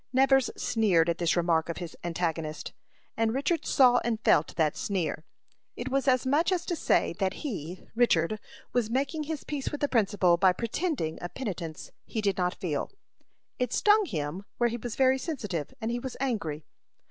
Nevers sneered at this remark of his antagonist, and Richard saw and felt that sneer. It was as much as to say that he, Richard, was making his peace with the principal by pretending a penitence he did not feel. It stung him where he was very sensitive, and he was angry.